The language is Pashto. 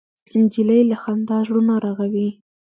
نجلۍ له خندا زړونه رغوي.